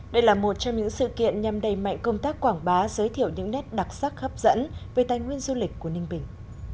đây là một trong những sự kiện nhằm đầy mạnh công tác quảng bá giới thiệu những nét đặc sắc hấp dẫn về tài nguyên du lịch của ninh bình